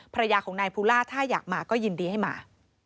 ภรรยาของนายภูล่าถ้าอยากมาก็ยินดีให้มา